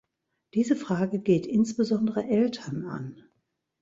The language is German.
Diese Frage geht insbesondere Eltern an.